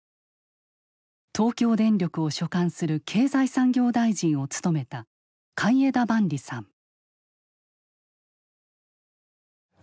東京電力を所管する経済産業大臣を務めた海江田万里さん。